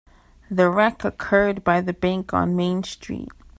The wreck occurred by the bank on Main Street.